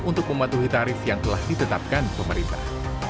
untuk mematuhi tarif yang telah ditetapkan pemerintah